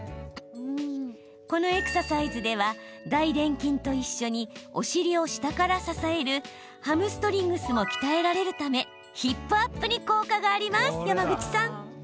このエクササイズでは大でん筋と一緒にお尻を下から支えるハムストリングスも鍛えられるためヒップアップに効果があります。